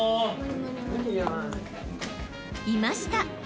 ［いました。